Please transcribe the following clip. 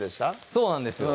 そうなんですよ